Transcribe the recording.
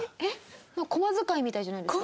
小間使いみたいじゃないですか？